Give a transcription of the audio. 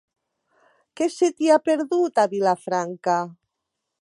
Què se t'hi ha perdut, a Vilafranca?